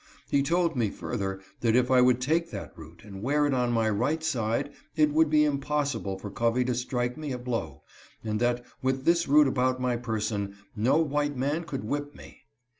He told me, further, that if I would take that root and wear it on my right side it would be impossible for Covey to strike me a blow, and that, with this root about my person, no white man could whip me.